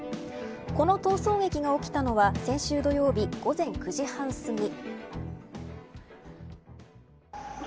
この逃走劇が起きたのは先週土曜日午前９時半すぎ。